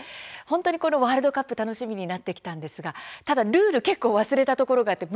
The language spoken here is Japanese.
ワールドカップ楽しみになってきたんですがルールを結構忘れたところがあります。